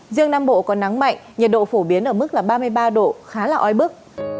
riêng nam bộ có nắng mạnh nhiệt độ phổ biến ở mức ba mươi ba độ khá là oi bức